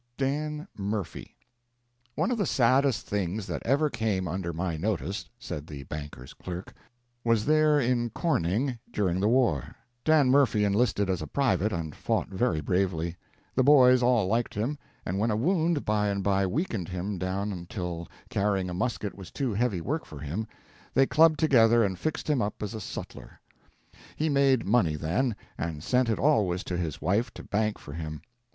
DAN MURPHY One of the saddest things that ever came under my notice (said the banker's clerk) was there in Corning, during the war. Dan Murphy enlisted as a private, and fought very bravely. The boys all liked him, and when a wound by and by weakened him down till carrying a musket was too heavy work for him, they clubbed together and fixed him up as a sutler. He made money then, and sent it always to his wife to bank for him.